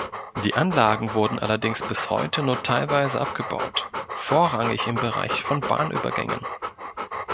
Die Anlagen wurden allerdings bis heute nur teilweise abgebaut, vorrangig im Bereich von Bahnübergängen.